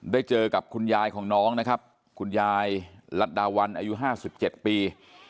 ได้เจอกับคุณยายของน้องนะครับคุณยายรัฐดาวันอายุ๕๗ปี